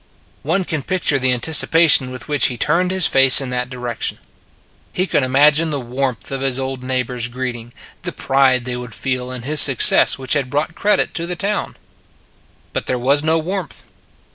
One can picture the anticipation with which He turned His face in that direction. He could imagine the warmth of His old neighbors greeting; the pride they would feel in His success which had brought credit to the town. But there was no warmth.